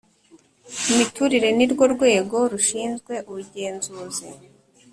Imiturire ni rwo rwego rushinzwe ubugenzuzi .